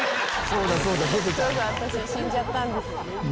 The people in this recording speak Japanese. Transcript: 「そうそう私死んじゃったんです」